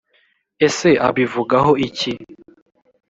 ese abivugaho iki? '